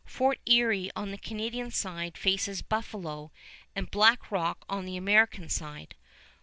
Fort Erie on the Canadian side faces Buffalo and Black Rock on the American side.